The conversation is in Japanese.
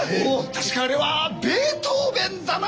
確かあれはベートーベンだな！